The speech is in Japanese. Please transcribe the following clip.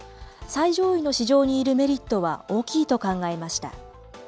最上位の市場にいるメリットは大きいと考えました。